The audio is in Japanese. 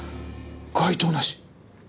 「該当なし」。